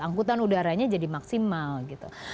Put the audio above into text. angkutan udaranya jadi maksimal gitu